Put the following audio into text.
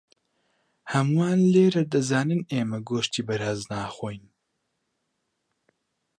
هەمووان لێرە دەزانن ئێمە گۆشتی بەراز ناخۆین.